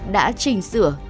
đã trình sửa